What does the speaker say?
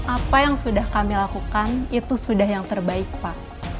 apa yang sudah kami lakukan itu sudah yang terbaik pak